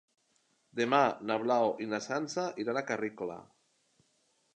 Demà na Blau i na Sança iran a Carrícola.